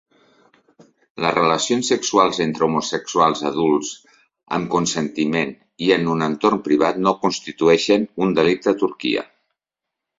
Les relacions sexuals entre homosexuals adults amb consentiment i en un entorn privat no constitueixen un delicte a Turquia.